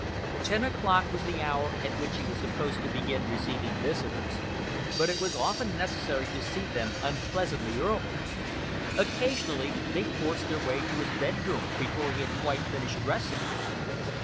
Ten o'clock was the hour at which he was supposed to begin receiving visitors, but it was often necessary to see them unpleasantly early. Occasionally they forced their way to his bedroom before he had quite finished dressing.